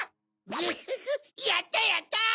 グフフやったやった！